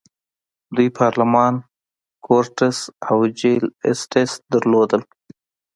دوی پارلمان، کورټس او جل اسټټس درلودل.